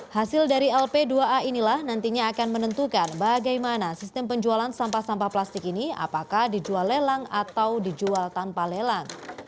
hasil dari lp dua a inilah nantinya akan menentukan bagaimana sistem penjualan sampah sampah plastik ini apakah dijual lelang atau dijual tanpa lelang